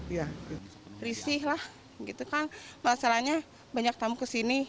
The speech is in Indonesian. berisik lah masalahnya banyak tamu kesini